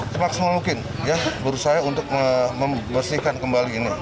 semaksimal mungkin ya berusaha untuk membersihkan kembali ini